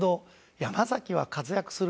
山崎は活躍する。